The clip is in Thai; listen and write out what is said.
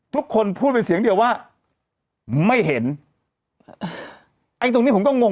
ทุกคนพูดเป็นเสียงเดียวว่าไม่เห็นไอ้ตรงนี้ผมก็งง